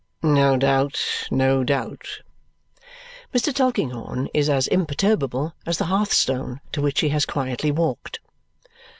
"No doubt, no doubt." Mr. Tulkinghorn is as imperturbable as the hearthstone to which he has quietly walked.